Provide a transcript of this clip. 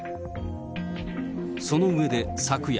その上で、昨夜。